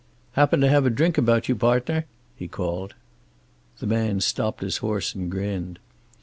"Happen to have a drink about you, partner?" he called. The man stopped his horse and grinned.